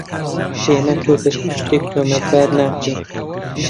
ئێمە تۆ بە هیچ شتێک تۆمەتبار ناکەین.